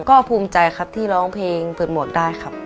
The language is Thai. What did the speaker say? ก็ภูมิใจครับที่ร้องเพลงเปิดโหมดได้ครับ